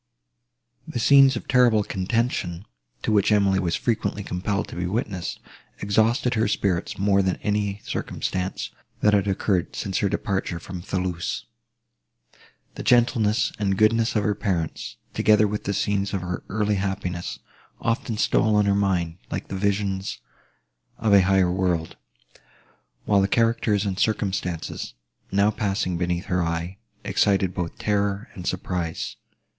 The scenes of terrible contention, to which Emily was frequently compelled to be witness, exhausted her spirits more than any circumstances, that had occurred since her departure from Thoulouse. The gentleness and goodness of her parents, together with the scenes of her early happiness, often stole on her mind, like the visions of a higher world; while the characters and circumstances, now passing beneath her eye, excited both terror and surprise.